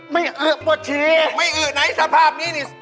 ไม่อึวไหนสภาพนี้ที่